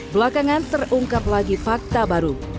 belakangan terungkap lagi fakta baru